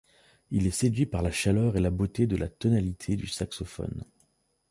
Il est séduit par la chaleur et la beauté de la tonalité du saxophone.